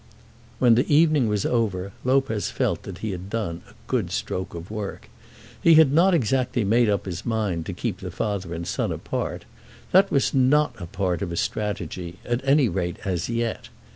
When the evening was over Lopez felt that he had done a good stroke of work. He had not exactly made up his mind to keep the father and son apart. That was not a part of his strategy, at any rate as yet.